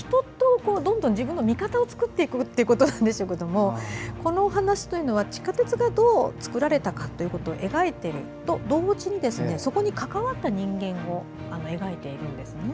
自分の味方を作っていくということなんでしょうけどこのお話というのは地下鉄がどう作られたかを描いていると同時にそこに関わった人間を描いているんですよね。